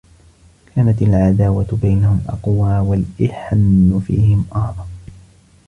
كَانَتْ الْعَدَاوَةُ بَيْنَهُمْ أَقْوَى وَالْإِحَنُ فِيهِمْ أَعْظَمَ